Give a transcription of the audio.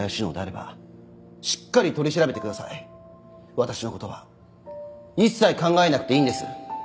私の事は一切考えなくていいんです。